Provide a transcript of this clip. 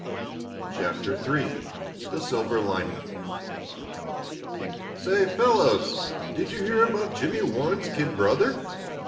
CHAPTER III THE SILVER LINING "Say, fellows, did you hear about Jimmy Warren's kid brother?"